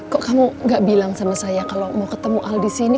kok kamu gak bilang sama saya kalau mau ketemu aldi sini